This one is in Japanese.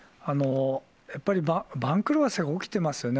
やっぱり番狂わせが起きてますよね。